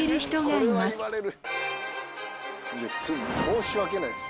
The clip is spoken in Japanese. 申し訳ないです。